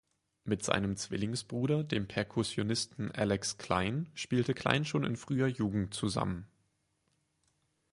Mit seinem Zwillingsbruder, dem Perkussionisten Alex Cline, spielte Cline schon in früher Jugend zusammen.